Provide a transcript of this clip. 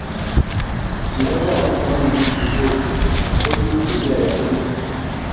kibeeka kipsomaninik sukul ko kiyutie kiy age tul